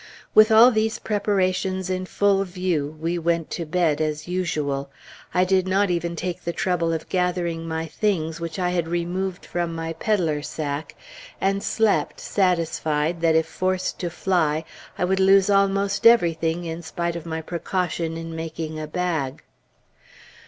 With all these preparations in full view, we went to bed as usual. I did not even take the trouble of gathering my things which I had removed from my "peddler sack"; and slept, satisfied that, if forced to fly, I would lose almost everything in spite of my precaution in making a bag.